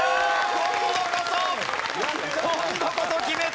今度こそ決めた！